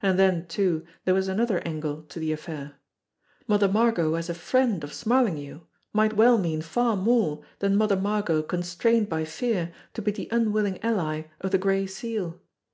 And then, too, there was another angle to the affair. Mother Margot as a friend of Smarlinghue might well mean far more than Mother Margot constrained by fear to be the unwilling ally of the Gray Seal.